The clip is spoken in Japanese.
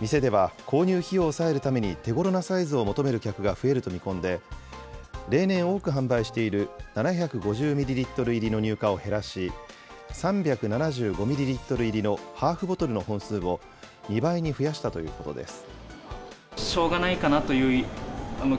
店では、購入費用を抑えるために手ごろなサイズを求める客が増えると見込んで、例年多く販売している７５０ミリリットル入りの入荷を減らし、３７５ミリリットル入りのハーフボトルの本数を２倍に増やしたということです。